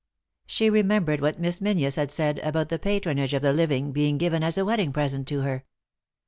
She remembered what Miss Menzies had said about the patronage of the living being given as a wedding present to her.